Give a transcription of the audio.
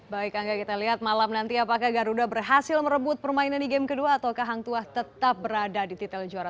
baik angga kita lihat malam nanti apakah garuda berhasil merebut permainan di game kedua ataukah hangtua tetap berada di titel juara